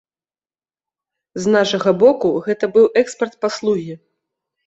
З нашага боку, гэта быў экспарт паслугі.